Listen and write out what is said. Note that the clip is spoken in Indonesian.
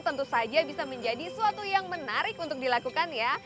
tentu saja bisa menjadi suatu yang menarik untuk dilakukan ya